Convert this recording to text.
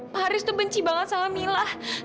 pak haris itu benci banget sama mila